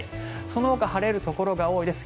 そのほか晴れるところが多いです。